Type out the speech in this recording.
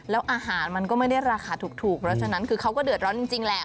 แล้วอาหารมันก็ไม่ได้ราคาถูกเพราะฉะนั้นคือเขาก็เดือดร้อนจริงแหละ